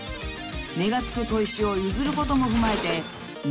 ［値がつく砥石を譲ることも踏まえて］